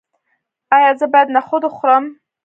ایا زه باید نخود وخورم؟